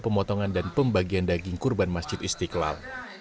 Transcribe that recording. pemotongan dan pembagian daging kurban masjid istiqlal